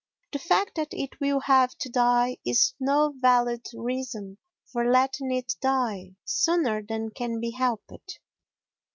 The fact that it will have to die is no valid reason for letting it die sooner than can be helped.